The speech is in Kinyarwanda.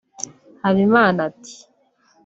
Habimana ati